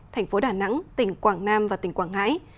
thành phố đà nẵng tỉnh quảng nam và tỉnh quảng ngãi